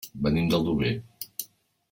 Venim d'Aldover.